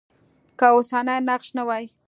که اوسنی نقش نه وای.